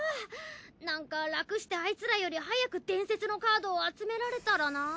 なんかラクしてアイツらより早く伝説のカードを集められたらなぁ。